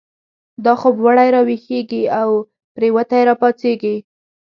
دا خوب وړی راويښږی، دا پريوتی را پا څيږی